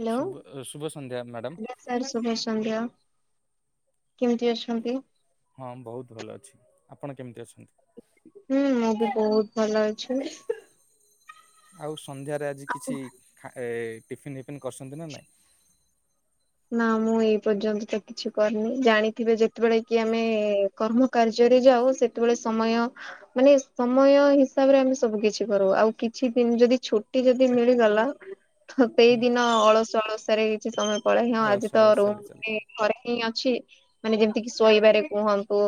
Hello ଶୁଭ ଶୁଭ ସନ୍ଧ୍ୟା ମ୍ୟାଡ଼ାମ ହ୍ୟାଲୋ ସାର୍ ଶୁଭ ସନ୍ଧ୍ୟା କେମିତି ଅଛନ୍ତି? ହଁ ବହୁତ ଭଲ ଅଛି ଆପଣ କେମିତି ଅଛନ୍ତି? ହୁଁ ମୁଁ ବି ବହୁତ ଭଲ ଅଛି। ଆଉ ସନ୍ଧ୍ୟାରେ ଆଜି କିଛି ଟିଫିନ୍ ଫିଫିନ୍ କରିଛନ୍ତି ନା ନାଇଁ? ନା ମୁଁ ଏଇ ପର୍ଯ୍ୟନ୍ତ ତ କିଛି କରିନି ଜାଣିଥିବେ, ଯେତେବେଳେ କି ଆମେ କର୍ମ କାର୍ଯ୍ୟରେ ଯାଉ ସେତେବେଳେ ସମୟ ମାନେ ସମୟ ହିସାବରେ, ଆମେ ସବୁ କିଛି କରୁ ଆଉ କିଛି ଦିନ ଯଦି ଛୁଟି ଯଦି ମିଳିଗଲା ତ ସେଇ ହୁଁ ଦିନ ଅଳସ ଅଳସରେ କିଛି ସମୟ ପଳେଇ ହଁ ଆଜି ଅଳସ ତ ଅଳସରେ ଚାଲ ରୁମରେ ଘରେ ହିଁ ଅ ଛି ମାନେ ଯେମିତି କି ଶୋଇବାରେ କୁହନ୍ତୁ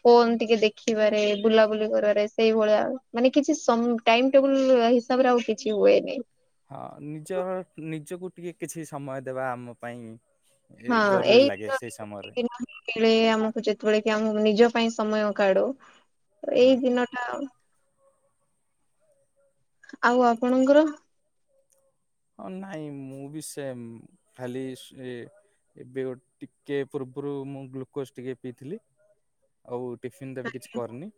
ଫୋନ ଟିକେ ଦେଖିବାରେ ବୁଲାବୁଲି କର କରେ ସେଇଭଳିଆ, ମାନେ କିଛି ସମ୍ ଟାଇମ ଟେବୁଲ୍ ହିସାବରେ ଆଉ କିଛି ହୁଏନି ହଁ ନିଜର ନିଜକୁ ଟିକେ କିଛି ସମୟ ଦେବା ଆମ ପାଇଁ ଏ ହଁ ଜରୁରୀ ଲାଗେ ସେଇ ସମୟରେ ଏଇ [unintelligible] ଆମକୁ ଯେତେବେଳେ କି ଆମକୁ ନିଜ ପାଇଁ ସମୟ କାଢୁ ହଁ ଏଇ ଦିନ ଟା ଆଉ ଆପଣଙ୍କର? ହଁ ନାଇଁ ମୁଁ ବି ସେମ ଖାଲି ଶୁଏ ଏବେ ଟିକେ ପୂର୍ବରୁ ମୁଁ ଗ୍ଲୁକୋଜ ଟିକେ ପିଇଥିଲି, ଆଉ ଟିଫିନ ତ ଏବେ କିଛି କରିନି,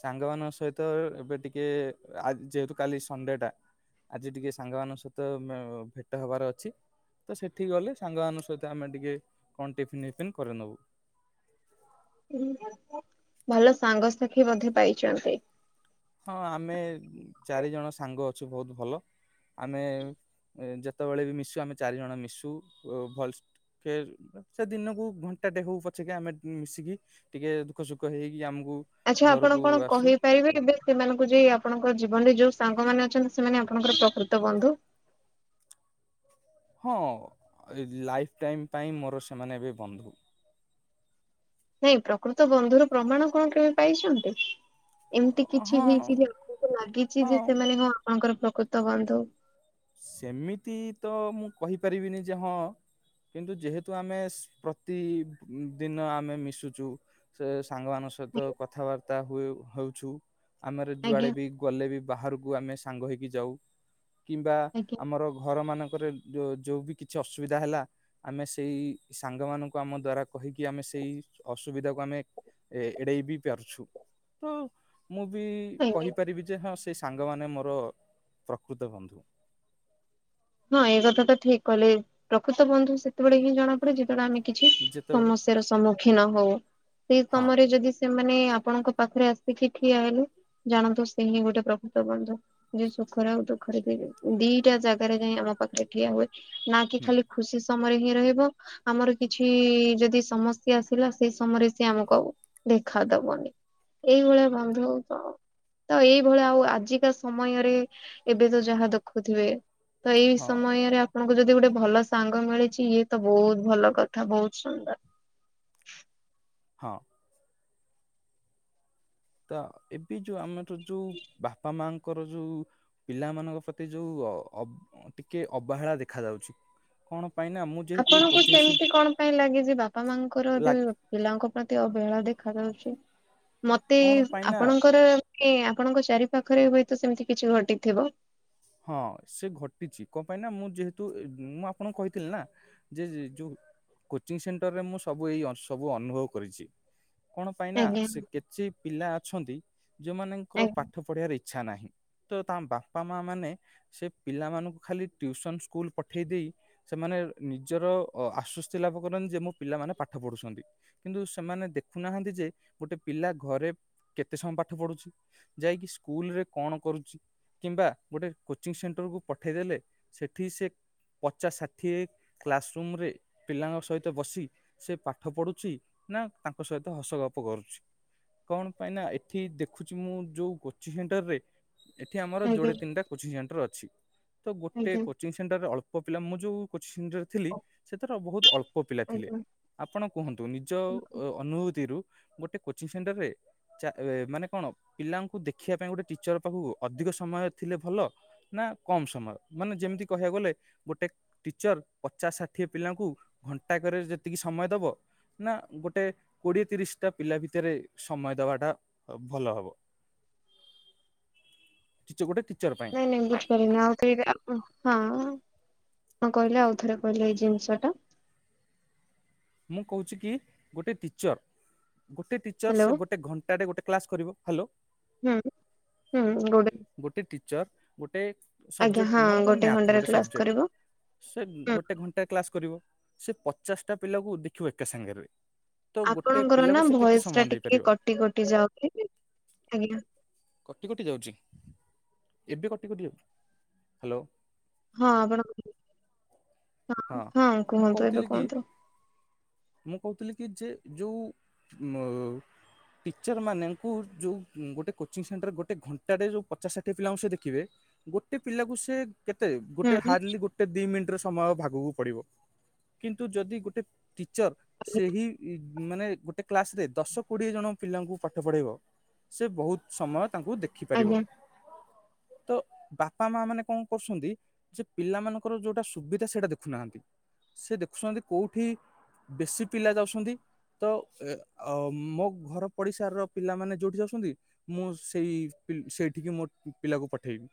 ସାଙ୍ଗମାନଙ୍କ ସ ସହିତ ଏବେ ଟିକେ ଆ ଯେହେତୁ କାଲି ସଣ୍ଡେ ଟା ଆଜି ଟିକେ ସାଙ୍ଗମାନଙ୍କ ସହି ତ ଭେଟ ହବାର ଅଛି। ତ ସେଠିକି ଗଲେ ସାଙ୍ଗମାନଙ୍କ ସହିତ ଆମେ ଟିକେ କଣ ଟିଫିନ ଫିଫନ୍ କରେଇ ନବୁ। ଭଲ ସାଙ୍ଗସାଥିୀ ମଧ୍ୟ ପାଇଛନ୍ତି। ହଁ ଆମେ ଚାରିଜଣ ସାଙ୍ଗ ଅଛୁ ବହୁତ ଭଲ। ଆମେ ଯେତେବେଳେ ବି ମିଶୁ ଆମେ ଚାରି ଜଣ ମିଶୁ ଭଲ ସେ ସେ ଦିନକୁ ଘଣ୍ଟାଟେ ହଉ ପଛକେ ଆମେ ମିଶିକି ଟିକେ ଦୁଃଖ ସୁଖ ହେଇକି ଆମ ଆଚ୍ଛା ଆପଣ କଣ କହିପାରିବେ? ଏବେ ସେମାନଙ୍କୁ ଯେ ଆପଣଙ୍କ ଜୀବନରେ ଯୋଉ ସାଙ୍ଗମାନେ ଅଛନ୍ତି, ସେମାନେ ଆପଣଙ୍କର ପ୍ରକୃତ ବନ୍ଧୁ [unintelligible] ହଁ ଲାଇଫ ଟାଇମ ପାଇଁ ମୋର ସେମାନେ ଏବେ ବନ୍ଧୁ। ନାଇଁ ପ୍ରକୃତ ବନ୍ଧୁର ପ୍ରମାଣ କଣ କେବେ ପାଇଛନ୍ତି? ଏମିତି କିଛି ହଁ ହେଇଛି ଯେ ଆପଣଙ୍କୁ ଲାଗିଛି ହଁ ଯେ, ସେମାନେ ହଁ ଆପଣଙ୍କର ପ୍ରକୃତ ବନ୍ଧୁ। ସେମିତି ତ ମୁଁ କହିପାରିବିନି ଯେ ହଁ କିନ୍ତୁ ଯେହେତୁ ଆମେ ପ୍ରତିଦିନ ଆମେ ମିଶୁଛୁ ସେ ସାଙ୍ଗମାନଙ୍କ ସହିତ କଥାବାର୍ତ୍ତା ହୁଏ ହଉଛୁ। ଆମର ଆଜ୍ଞା ଯୁଆଡେ ବି ଗଲେ ବି ବାହାରକୁ ଆମେ ସାଙ୍ଗ ହେଇକି ଯାଉ। କିମ୍ବା ଆଜ୍ଞା ଆମର ଘରମାନ ଙ୍କରେ ଯୋଉ ବି କିଛି ଅସୁବିଧା ହେଲା, ଆମେ ସେଇ ସାଙ୍ଗମାନଙ୍କୁ ଆମ ଦ୍ୱାରା କହିିକି ଆମେ ସେ ସେଇ ଅସୁବିଧାକୁ ଆମେ ଏଡେଇ ବି ପାରୁଛୁ ତ ମୁଁ ବି ଆଜ୍ଞା କହିପାରିବି ଯେ ହଁ ସେଇ ସାଙ୍ଗମାନେ ମୋର ପ୍ରକୃତ ବନ୍ଧୁ। ହଁ ଏଇ କଥା ତ ଠିକ କହିଲେ ପ୍ରକୃତ ବନ୍ଧୁ ସେତେବେଳେ ହିଁ ଜଣାପଡେ, ଯେତେବେଳେ ଆମେ କିଛି ଯେତେବେଳେ ସମସ୍ୟାର ସମ୍ମୁଖୀନ ହଉ ସେ ହଁ ସମୟରେ ଯଦି ସେମାନେ ଆ ଆପଣଙ୍କ ପାଖରେ ଆସିକି ଠିଆ ହେଲେ ଜାଣନ୍ତୁ ସେ ହିଁ ଗୋଟେ ପ୍ରକୃତ ବନ୍ଧୁ ଯେ ସୁଖରେ ଆଉ ଦୁଃଖ ପାଖେରେ ଥିବେ ଦିଟା ଜାଗାରେ ଯାଇ ଆମ ପାଖରେ ଠିଆ ହୁଏ ନା କି ହୁଁ ଖାଲି ଖୁସି ସମୟରେ ହିଁ ରହିବ, ଆମର କିଛି ଯଦି ସମସ୍ୟା ଆସିଲା ସେଇ ସମୟରେ ସିଏ ଆମକୁ ଆଉ ଦେଖାଦବନି ଏଇଭଳିଆ ବନ୍ଧୁ ତ ତ ଏଇଭଳିଆ ଆଉ ଆଜିକା ସମୟରେ ଏବେ ତ ଯାହା ଦେଖୁଥିବେ। ତ ଏଇ ହଁ ସମୟରେ ଆପଣ ଯଦି ଗୋଟେ ଭଲ ସାଙ୍ଗ ମିଳିଛି ଇଏ ତ ବହୁତ ଭଲ କଥା ବହୁତ ସୁନ୍ଦର। [unintelligible] ହଁ। ତ ଏବେ ଯୋଉଁ ଆମର ଯୋଉଁ ବାପା ମାଙ୍କ ଙ୍କର ଯୋଉଁ ପିଲାମାନଙ୍କ ପ୍ରତି ଯୋଉଁ ଟିକେ ଅବହେଳା ଦେଖା ଯାଉଛି। କଣ? ପାଇଁ ନା ମୁଁ ଯେହେତୁ ଆପଣଙ୍କୁ କୋଚିଂ ସେ ସେମିତି କଣ ପାଇଁ ଲାଗେଛି ବାପା ମାଙ୍କର ଲା ବି ପିଲାଙ୍କ ପ୍ରତି ଅ ବେଳା ଦେଖାଯାଉଛି ମତେ କଣ ପାଇଁ ନା ଆପଣଙ୍କର ମାନେ ଆପଣଙ୍କ ଚାରି ପାଖରେ ହୁଏତ ସେମିତି କିଛି ଘଟିଥିବ। ହଁ ସେ ଘଟିଛି କଣ ପାଇଁ ନାଁ ମୁଁ ଯେହେତୁ ମୁଁ ଆପଣଙ୍କୁ କହିଥିଲି ନା ଯେ ଯୋଉଁ କୋଚିଂ ସେଣ୍ଟରରେ ମୁଁ ସବୁ ଏଇ ସବୁ ଅନୁଭବ କରିଛି। କଣ ପାଇଁ ନା ଆଜ୍ଞା ସେ କେତେ ପିଲା ଅଛନ୍ତି ଯୋଉଁ ମାନଙ୍କର ଆଜ୍ଞା ପାଠ ପଢିବାର। ଇଛା ନାହିଁ ତ ତା ବାପା ମା ମାନେ ସେ ପିଲାମାନଙ୍କୁ ଖାଲି ଟିଉସନ ସ୍କୁଲ ପଠେଇ ଦେଇେ ସେମାନେ ନିଜର ଆସ ଖୁସି ଲାଭ କରନ୍ତି ଯେ ମୋ ପିଲାମାନେ ପାଠ ପଢୁଛନ୍ତି। କିନ୍ତୁ ସେମାନେ ଦେଖୁନାହାନ୍ତି ଯେ ଗୋଟେ ପିଲା ଘ ରେ କେତେ ସମୟ ପାଠ ପଢୁଛି ଯାଇକି ସ୍କୁଲରେ କଣ କରୁଛି କିମ୍ବା ଗୋଟେ କୋଚିଂ ସେଣ୍ଟରକୁ ପଠେଇ ଦେଲେ ସେଠି ସେ ପଚାଶ ଷାଠିଏ କ୍ଲାସ ରୁମ ରେ ପିଲାଙ୍କ ସହିତ ବସି ସେ ପାଠ ପଢୁଛି। ନା ତାଙ୍କ ସହିତ ହସଗପ କରୁଛି। କଣ ପାଇଁ ନାଁ ଏଠି ଦେଖୁଛି ମୁଁ ଯୋଉ କୋଚିଂ ସେଣ୍ଟର ରେ ଏଠି ଆମର ଆଜ୍ଞା ଯୋଡେ ତିନିଟା କୋଚିଂ ସେଣ୍ଟର ଅଛି ତ ଗୋଟେ ଆଜ୍ଞା କୋଚିଂ ସେଣ୍ଟରରେ ଅଳ୍ପ ଅଳ୍ପ ପିଲା ମୁଁ ଯୋଉ କୋଚିଂ ଥିଲି ସେଥିର ବହୁତ ଅଳ୍ପ ପିଲା ଥିଲେ। ଆଜ୍ଞା। ଆପଣ କୁହନ୍ତୁ ନିଜ ଅନୁଭୂତିରୁ ଗୋଟେ କୋଚିଂ ସେଣ୍ଟର ରେ ଚା ମାନେ କଣ ପିଲାଙ୍କୁ ଦେଖିବା ପାଇଁ ଗୋଟେ ଟିଚର ପାଖକୁ ଅଧିକ ସମୟ ଥିଲେ ଭଲ ନାଁ କମ ସମୟ ମାନେ ଯେମିତି କହିବାକୁ ଗଲେ ଗୋଟେ ଟିଚର ପଚାଶ ଷାଠିଏ ପିଲା ପାଙ୍କୁ ଘଣ୍ଟାକ ଯେତିକି ସମୟ ଦବ ନାଁ ଗୋଟେ କୋଡି଼ଏ ତିରିଶ ଟା ପିଲା ଭିତରେ ସମୟ ଦବାଟା ଭଲ ହବ? [unintelligible] ଚୌଡା କି ନାଇଁ ନାଇଁ ବୁଝିପାରିଲିନି ଆଉ [inaudible] ହଁ। କଣ କହିଲେ ଆଉଥରେ କହିଲେ ଏଇ ଜିନିଷ ଟା? ମୁଁ କହୁଛି କି ଗୋଟେ ଟିଚର୍ ଗୋଟେ ଟିଚର ହ୍ୟାଲୋ ସେ ଗୋଟେ ଘଣ୍ଟା ଗୋଟେ କ୍ଲାସ୍ କରିବ ହ୍ୟାଲୋ। ହୁଁ ହୁଁ [inaudible] [inaudible] ଗୋଟେ ଆଜ୍ଞା ହଁ ସବଜେକ୍ଟ ମନେକର ମ୍ୟାଥ୍ ଘଣ୍ଟାରେ ଗୋଟେ କ୍ଲାସ ସବଜେକ୍ଟ କରିବ। ସେ ଗୋଟେ ଘଣ୍ଟାରେ କ୍ଲାସ୍ କରିବ ସେ ପଚାଶଟା ପିଲାକୁ ଦେଖିବ ଏକା ସାଙ୍ଗରେ ତ ଗୋଟେ ଆପଣଙ୍କର ପିଲାକୁ ନା ସେ କେତେ ଭୟସ ସମୟ ଟା ଟିକେ ଦେଇପାରିବ କଟି କଟି ଯାଉଛି ଆଜ୍ଞା। କଟି କଟି ଯାଉଛି ଏବେ କଟି କଟି ଯାଉଛି ହ୍ୟାଲୋ। ହଁ ଆପଣ ହଁ ମୁଁ କୁହନ୍ତୁ ଏବେ କହୁଥିଲି କି କୁହନ୍ତୁ। ମୁଁ କହୁଥିଲି କି ଯେ ଯୋଉ ଉ ଟିଚର ମାନଙ୍କୁ ଯେଉଁ ଗୋଟେ କୋଚିଂ ସେଣ୍ଟର ଗୋଟେ ଘଣ୍ଟାଟେ ଯେଉଁ ପଚା ଷାଠିଏ ପିଲାଙ୍କୁ ସେ ଦେଖିବେ ଗୋଟେ ପିଲାକୁ ସେ କେତେ ଗୋଟେ ହୁଁ। ହାର୍ଡଲି ଗୋଟେ ଦି ମିନିଟ ର ସମୟ ଆଗକୁ ପଡିବ କିନ୍ତୁ ଯଦି ଗୋଟେ ଟିଚର ସେହି ମାନେ ଗୋଟେ କ୍ଲାସରେ ଦଶ କୋଡ଼ିଏ ଜଣ ପିଲାଙ୍କୁ ପାଠ ପଢ଼ାଇବ ସେ ବହୁତ ସମୟ ତାଙ୍କୁ ଦେଖିପାରିବ। ଆଜ୍ଞା। ତ ବାପା ମା ମାନେ କଣ କରୁଛନ୍ତି ଯେ ପିଲାମାନଙ୍କର ଯୋଉଟା ସୁବିଧା ସେଇଟା ଦେଖୁ ଦେଖୁନାହାନ୍ତି ସେ ଦେଖୁଛନ୍ତି କୋଉଠି ବେଶୀ ପିଲା ଯାଉଛନ୍ତି। ତ ମୋ ଘର ପଡିଶାର ର ପିଲାମାନେ ଯୋଉଠି ଯାଉଛନ୍ତି ମୁଁ ସେଇ ସେଇଠିକି ମୋ ପିଲାକୁ ପଠେଇବି।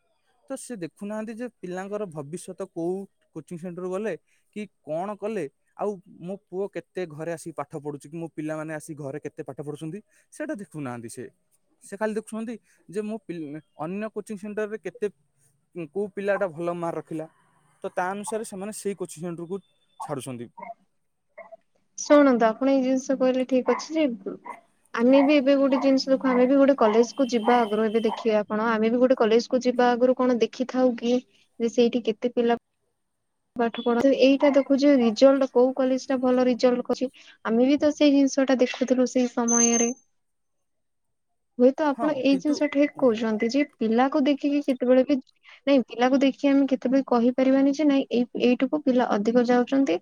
ତ ସେ ଦେଖୁନାହାନ୍ତି ଯେ ପିଲାଙ୍କର ଭବିଷ୍ୟତ କୋଉ କୋଚିଂ ଗ କଣ କଲେ ଆଉ ମୋ ପୁଅ କେତେ ଘରେ ଆସିକି ପାଠ ପଢୁ଼ଚି ମୋ ପିଲାମାନେ ମାନେ ଆସି ଘରେ କେତେ ପାଠ ପଢୁଛନ୍ତି ସେଇଟା ଦେଖୁନାହାନ୍ତି ସେ ସେ ଖାଲି ଦେଖୁଛନ୍ତି ଯେ ମୁଁ ଅନ୍ୟ କୋଚିଂ ସେଣ୍ଟରରେ କେତେ କୋଉ ପିଲା ଟା ଭଲ ମାର୍କ ରଖିଲା ତ ତା ଅନୁସାରେ ସେମାନେ ସେ କୋଚିଂ ସେଣ୍ଟରକୁ ଛାଡ଼ୁଛନ୍ତି। ଶୁଣନ୍ତୁ ଆପଣ ଏଇ ଜିନିଷ କହିଲେ ଠିକ ଅଛି ଯେ ଆମେ ବି ଏବେ ଗୋଟେ ଜିନିଷ ଦେଖୁ ଆମେ ବି ଗୋଟେ କଲେଜ କୁ ଯିବା ଆଗ୍ରହ ଏବେ ଦେଖିବା ଆପଣ ଆମେ ବି ଗୋଟେ କଲେଜ କୁ ଯିବୁ ବା ଆଗରୁ କଣ ଦେଖିଥାଉ କି ଯେ ସେଇଠି କେତେ ପିଲା ପାଠ ପଢ ଏଇଟା ଦେଖୁଛୁ ରିଜଲ୍ଟ କୋଉ କଲେଜ ଟା ଭଲଜଲ୍ କରଛି ଆମେ ବି ତ ସେଇ ଜିନ୍ସ ଜିନିଷ ଟା ଦେଖୁଥିଲୁ ସେଇ ସମୟରେ ହୁଏତ ହଁ ଆପଣ ଏଇ କିନ୍ତୁ ଜିନିଷ ଠିକ କହୁଛନ୍ତି ଯେ ପିଲା ଦେଖିକି କେତେବେଳେ ବି ନାଇଁ ପିଲାକୁ ଦେଖିକି ଆମେ କେତେବେଳେ କହିପାରିବାନି ଯେ ନାଇଁ ଏଇ ଏଇଠାକୁ ପିଲା ଅଧିକ ଯାଉଛନ୍ତି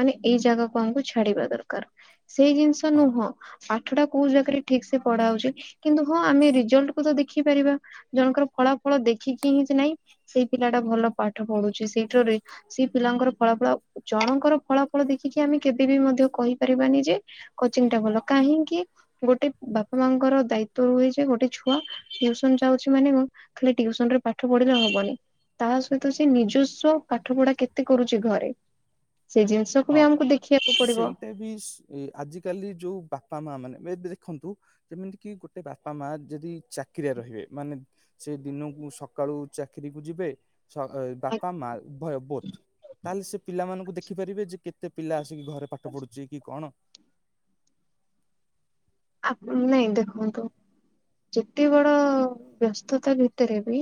ମାନେ ଏଇ ଜାଗାକୁ ଆମକୁ ଛାଡିବା ଦରକାର। ସେଇ ଜିନିଷ ହଁ ନୁହଁ ପାଠଟା କୋଉ ଜକିରେ ଠିକ ସେ ପଢା ହାଉଛି କିନ୍ତୁ ହଁ ଆମେ ରିଜଲ୍ଟ କୁ ତ ଦେଖି ପାରିବା ଜଣଙ୍କର ଫଳାଫଳ ଦେଖୁ ଦେଖିକି ହିଁ ନାଇଁ ସେଇ ପିଲା ଟା ଭଲ ପାଠ ପଢୁଛି ସେଇଠା ସେ ପିଲାଙ୍କର ଫଳାଫଳ ଜଣଙ୍କର ଫଳାଫଳ ଦେଖିକି ଆମେ କେବେ ବି ମଧ୍ୟ କହିପାରିବାନି ଯେ କୋଚିଂ ଟା ଭଲ କାହିଁକି ଗୋଟେ ବାପା ମାଙ୍କର ଦାୟିତ୍ଵ ରୁହେ ଯେ ଗୋଟେ ଛୁଆ ଯାଉଛି ମାନେ ମୁ ଖାଲି ଟିଉସନ ରେ ପାଠ ପଢିଲେ ହବନି ତା ସହିତ ସେ ନିଜସ୍ଵ ପାଠ ପଢା କେତେ କରୁଚି ଘରେ? ସେ ଜିନିଷକୁ ବି ହଁ ଆମକୁ ଦେଖିବାକୁ ପଡିବ ସେଇଟା ବି ସ ଆଜିକାଲି ଯୋଉ ବାପା ମା ମାନେ ଏବେ ଦେଖନ୍ତୁ ଯେମିତି କି ଗୋଟେ ବାପା ମା ଯଦି ଚାକିରିଆରେ ରହିବେ ମାନେ ସେ ଦିନକୁ ସକାଳୁ ଚାକିରି କୁ ଯିବେ ସ ବାପା ମା ଭୟ ବୋଥ ତାହେଲେ ସେ ପିଲାମାନଙ୍କୁ ଦେଖି ପାରିବେ ଯେ କେତେ ପିଲା ଆସୁ ଘରେ ପାଠ ପଢୁଚି କି କଣ? ଆପଣ ନାଇଁ ଦେଖନ୍ତୁ ଯେତେ ବଡ ବ୍ୟସ୍ତତା ଭିତରେ ବି?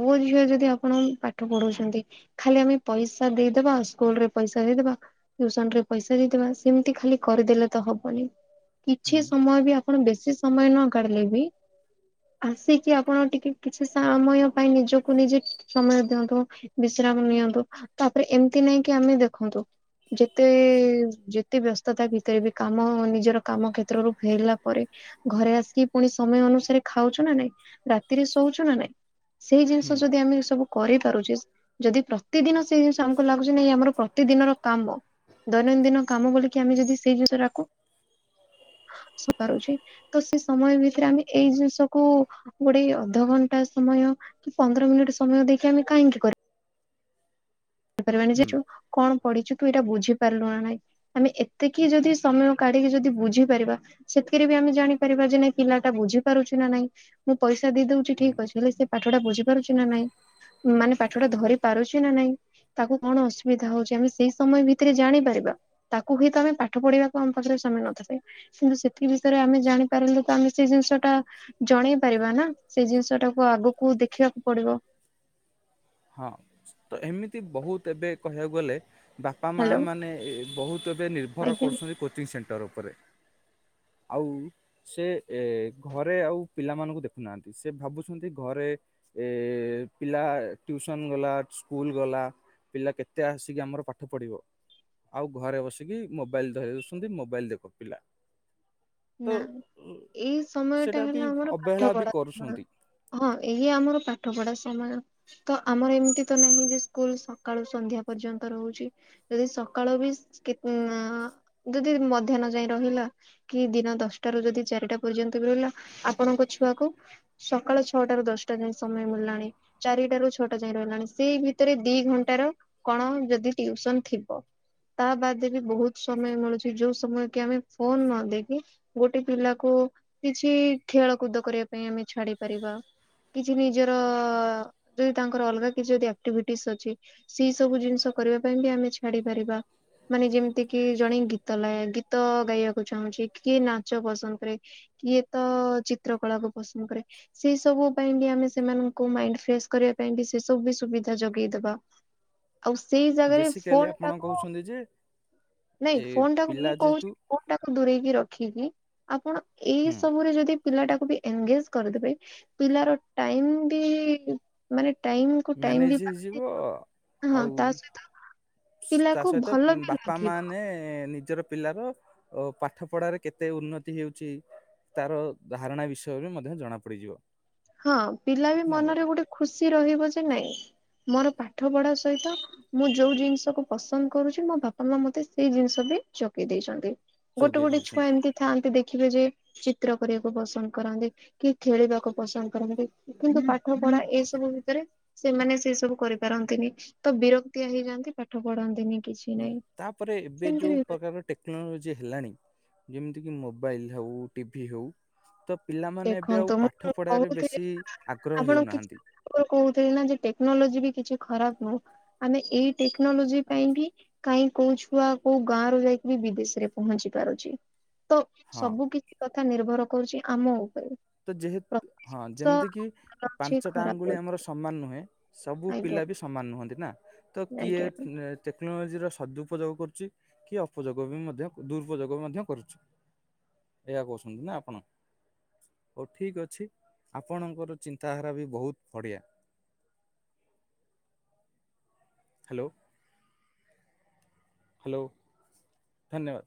ପୁଅ ଝିଅ ଯଦି ଆପଣ ପାଠ ପଢଉଛନ୍ତି ଖାଲି ଆମେ ପଇସା ଦେଇଦବା ଆଉ ସ୍କୁଲରେ ପଇସା ସା ଦେଇଦବା ଟିଉସନରେ ପଇସା ଦେଇଦବା ସେମିତି ଖାଲି କରିଦେଲେ ତ ହବନି। କିଛି ହୁଁ ସମୟ ବି ଆପଣ ବେଶୀ ସମୟ ନ କାଢିଲେ ବି? ଆସିକି ଆପଣ ଟିକେ କିଛି ସମୟ ପାଇଁ ନିଜକୁ ନିଜେ ସମୟ ଦିଅନ୍ତୁ ବିଶ୍ରାମ ନିଅନ୍ତୁ ତାପରେ ଏମିତି ନାଇଁକ ଆମେ ଦେଖନ୍ତୁ ଯେତେ ଯେତେ ବ୍ୟସ୍ତତା ଭିତରେ ବି କାମ ନିଜର କାମ କ୍ଷେତ୍ରରୁ ଫେରିଲା ପରେ ଘରେ ଆସିକି ପୁଣି ସମୟ ଅନୁସାରେ ଖାଉଚୁ ନା ନାଇଁ ରାତିରେ ଶୋଉଛୁ ନା ନାଇଁ? ସେଇ ହୁଁ ଜିନିଷ ଯଦି ଆମେ ସବୁ କରିପାରୁଛେ ଯଦି ପ୍ର ପ୍ରତିଦିନ ସେ ଜିନିଷ ଆମକୁ ଲାଗୁଛି ନାଇଁ ଆମର ପ୍ରତିଦିନର କାମ ଦୈନନ୍ଦିନ କାମ ବୋଲିକି ଆମେ ଯଦି ସେଇ ଜିନିଷଟାକୁ [unintelligible] ରୋହୁଚି ତ ସେ ସମୟ ଭିତରେ ଆମେ ଏଇ ଜିନିଷକୁୁ ଗୋଟେ ଅଧଘଣ୍ଟା ସମ ସମୟ କି ପନ୍ଦର ମିନିଟ ସମୟ ଦେଇକି ଆମେ କାହିଁକି କରି ପାରିବାନି ସେ ହୁଁ ଯଉ କଣ? ପଢିଚୁ ତୁ ଏଇଟା ବୁଝି ପାରିଲୁ ନା ନାଇଁ ଆମେ ଏତିକି ଯଦି ସମୟ କାଢିକି ଯଦି ବୁଝିପାରିବା ସେ ବି ଆମେ ଜାଣି ପାରିବା ଯେ ନାଇଁ ପିଲାଟା ବୁଝିାରୁଛି କି ନା ନାଇଁ ମୁଁ ପଇସା ଦେଇ ଦଉଛି ଠିକ୍ ଅଛି ହେଲେ ସେ ପାଠ ଟା ବୁଝି ପାରୁଚି ନା ନାଇଁ? ମାନେ ପାଠ ଟା ଧରି ପାରୁଚି ନା ନାଇଁ? ତାକୁ କଣ ଅସୁବିଧା ହୋଉଚି ଆମେ ସେଇ ସମୟ ଭିତରେ ଜାଣିପାରିବା ତାକୁ ହୁଏତ ଆମେ ପାଠ ପଢିବାକୁ ଆମ ପାଖରେ ସମ୍ ନ କିନ୍ତୁ ସେଥି ବିଷୟରେ ଆମେ ଜାଣିପାରିଲେ ତ ଆମେ ସେଇ ଜିନିଷ ଟା ଜଣେଇ ପାରିବା ନା? ସେଇ ଜିନିଷ ଟାକୁ ଆଗକୁ ଦେଖିବାକୁ ପଡିବ। ହଁ ତ ଏମିତି ବହୁତ ଏବେ କହିବାକୁ ଗଲେ ବାପା ମା ହ୍ୟାଲୋ ମାନେ ଏ ବହୁତ ଏବେ ନିର୍ଭର ଆଜ୍ଞା କରୁଛନ୍ତି କୋଚିଂ ସେଣ୍ଟର୍ ଉପରେ। ଆଉ ସେ ଏ ଘରେ ଆଉ ପିଲା ମାନଙ୍କୁ ଦେଖୁନାହାନ୍ତି ସେ ଭାବୁଛନ୍ତି ଘରେ ଏ ପିଲା ଟିଉସନ ଗଲା ସ୍କୁଲ ଗଲା। ପିଲା କେତେ ଆସିକି ଆମର ପାଠ ପଢିବ? ଆଉ ଘରେ ବସିକି ମୋବାଇଲ ଧଉଛନ୍ତି ମୋବାଇଲ ଦେଖ ପିଲା? ତ ନା ଏଇ ସମୟ ଟା ସେଟା ବି ହେଲା ଆମର ପାଠ ଅବହେଳା ବି ପଢା ସମୟ। କରୁଛନ୍ତି ହଁ ଏଇ ଆମର ପାଠ ପଢା ସମୟ ତ ଆମର ଏମିତି ତ ନାହିଁ ଯେ ସ୍କୁଲ ସକାଳୁ ସନ୍ଧ୍ୟା ପରେ। ପର୍ଯ୍ୟନ୍ତ ରହୁଛି ଯଦି ସକାଳୁ ବି କି ଅ ଯଦି ମଧ୍ୟାହ୍ନ ଯାଏ ରହିଲା। କି ଦିନ ଦଶଟାରୁ ଯଦି ଚାରିଟା ପର୍ଯ୍ୟନ୍ତ ବି ରହିଲା ଆପଣଙ୍କ ଛୁଆକୁ ସକାଳ ଛଅଟାରୁ ଦଶ ଟା ଯାଏ ସମୟ ମିଳିଲାଣି ଚାରିଟାରୁ ଛଅଟା ଯାଏ ରହିଲାଣି ସେଇ ଭିତରେ ଦି ଘଣ୍ଟାର କଣ ଯଦି ଟିଉସନ ଥିବ ତା ବାଦେ ବି ବହୁତ ସମୟ ମିଳୁଛି ଯୋଉ ସମୟ କି ଆମେ ଫୋନ ନ ଦେଖି ଦେଖି ଗୋଟେ ପିଲାକୁ କିଛି ଖେଳକୁଦ କରିବା ପାଇଁ ଆମେ ଛାଡି ପାରିବା। କିଛି ନିଜର ଯଦି ତାଙ୍କର ଅଲଗା କିଛି ଯଦି ଆକ୍ଟିଭିଟିସ ଅଛି ସେଇ ସବୁ ଜିନିଷ କରିବା ପାଇଁ ବି ଆମେ ଛାଡି ପାରିବା। ମାନେ ଯେମିତି କି ଜଣେ ଗୀତଲ, ଗୀତ ଗାଇବାକୁ ଚାହୁଁଛି। କିଏ ନାଚ ପସନ୍ଦ କରେ? କିଏ ତ ଚିତ୍ର କଳା କୁ ପସନ୍ଦ କରେ? ସେଇ ସବୁ ପାଇଁ ଆମେ ସେମାନଙ୍କୁ ମାଇଣ୍ଡ ଫ୍ରେଶ କରିବା ପାଇଁ ବି ସେ ସବୁ ବି ସୁବିଧା ଯୋଗେଇଦବା। ଆଉ ସେଇ ଜାଗାରେ ବେସିକାଲି ଫୋନ ଆପଣ ଟାକୁ କହୁଛନ୍ତି ଯେ ନାଇଁ ଏ ଫୋନ ଟାକୁ ପିଲା ମୁଁ କହୁଛି ଯେହେତୁ ଫୋନ ଟାକୁ ଦୂରେଇକି ରଖିକି। ଆପଣ ଏଇ ହୁଁ ସବୁରେ ଯଦି ପିଲାଟାକୁ ବି ଏନଗେଜ କରିଦେବେ ପିଲାର ଟାଇମ ବି ମାନେ ଟାଇମ କୁ ଟାଇମ ବି ମ୍ୟାନେଜ ପାଇବେ। ହେଇଯିବ ଅ ହଁ ଆଉ ତା ସହିତ ତା ପିଲାକୁ ସହିତ ଭଲ ବି ବାପା ଲାଗିବ ମାାନେ ନି ନିଜର ପିଲାର ଅ ପାଠ ପଢାରେ କେତେ ଉନ୍ନତି ହେଉଛି ତାର ଧାରଣା ବିଷୟ ବି ମଧ୍ୟ ଜଣା ପଡିଯିବ। ହଁ ପିଲା ବି ନା କଣ ମନରେ ଗୋଟେ ଖୁସି ରହିବ ଯେ ନାଇଁ ମୋର ପାଠ ପଢା ସହିତ ମୁଁ ଯୋଉ ଜିନିଷକୁ ପସନ୍ଦ କରୁଛି ମୋ ବାପା ମା ମତେ ସେଇ ଜିନିଷ ଚକି ଦେଇଛନ୍ତି ଗୋଟେ ଯୋଗେଇ ଗୋଟେ ଛୁଆ ଦେଇଛନ୍ତି। ଏମିତି ଥାଆନ୍ତି ଦେଖ ଦେଖିବେ ଯେ ଚିତ୍ର କରିବାକୁ ପସନ୍ଦ କରନ୍ତି କି ଖେଳିବାକୁ ପସନ୍ଦ କରନ୍ତି କିନ୍ତୁ ପାଠ ପଢା ଏସବୁ ଭିତରେ ସେମାନେ ସେ ସବୁ କରିପାରନ୍ତିନି ତ ବିରକ୍ତିଆ ହେଇଯାନ୍ତି ପାଠ ପଢନ୍ତିନି। କିଛି ହୁଁ ନାହିଁ। ତାପରେ ଏବେ ସେମିତି ଯୋଉ ବି ପ୍ରକାର ଟେକ୍ନୋଲୋଜି ହେଲାଣି। ଯେମିତିକି ମୋବାଇଲ୍ ହେଉ ଟିଭି ହେଉ ତ ପିଲାମାନେ ଏବେ ଆଉ ଦେଖନ୍ତୁ ମୁଁ ପାଠ ପଢାରେ କହୁଥିଲି ବେଶୀ ଆଗ୍ରହ କିଛି ହେଉନାହାନ୍ତି। ଆପଣ କହୁଥିଲେ ନା ଯେ ଟେକ୍ନୋଲୋଜି ବି କିଛି ଖରାପ ହ ଆମେ ଏଇ ଟେକ୍ନୋଲୋଜି ପାଇଁ ବି କାଇହିଁ କୋଉ ଛୁଆ କୋଉ ଗାଁ ର ଯାଇକି ବି ବିଦେଶ ରେ ପହଞ୍ଚି ପାରୁଛି ତ ହଁ ସବୁ କିଛି କଥା ନିର୍ଭର କରୁଛି ଆମ ଉ ତ ଯେହେତ ହଁ ଯେମିତି କିି ଅଛି ପାଞ୍ଚଟା ଖରାପ ଆଙ୍ଗୁଳି ଅଛି ଆମର ସମାନ ନୁହେଁ। ସବୁ ଆଜ୍ଞା ପିଲା ବି ସମାନ ନୁହନ୍ତି ନା ତ କିଏ ଏ ଆଜ୍ଞା। ଟେକ୍ ଟେକ୍ନୋଲୋଜିର ସଦୁପଯୋଗ କରୁଛି କି ଅପଯୋଗ ବି ମଧ୍ୟ ଦୁରୁପଯୋଗ ମଧ୍ୟ କରୁଛି। ଏଆ କହୁଛନ୍ତି ନା ଆପଣ? ହଉ ଠିକ ଅଛି ଆପଣଙ୍କର ଚିନ୍ତାଧାରା ବି ବହୁତ ବଢିଆ। ଆ ହ୍ୟାଲୋ ହ୍ୟାଲୋ ଧନ୍ୟବାଦ।